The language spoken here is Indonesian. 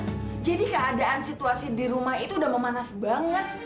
iya jadi keadaan situasi di rumah itu udah memanas banget